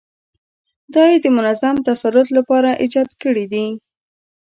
دا یې د منظم تسلط لپاره ایجاد کړي دي.